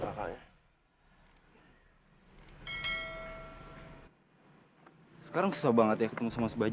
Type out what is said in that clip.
aku sudah ketemu sama mama